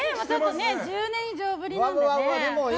１０年以上ぶりなのでね。